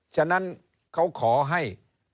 ฉะนั้นเขาขอให้